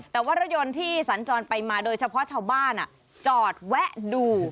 แต่ว่ารถยนต์ที่สัญจรไปมาโดยเฉพาะชาวบ้านจอดแวะดู